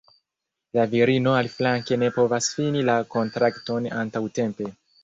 La virino aliflanke ne povas fini la kontrakton antaŭtempe.